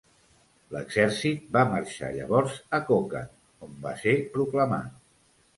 L'exèrcit va marxar llavors a Kokand on va ser proclamat.